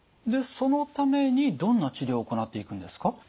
でそのためにどんな治療を行っていくんですか？